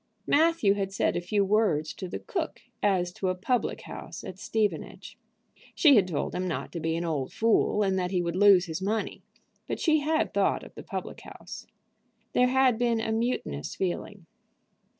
Matthew had said a few words to the cook as to a public house at Stevenage. She had told him not to be an old fool, and that he would lose his money, but she had thought of the public house. There had been a mutinous feeling.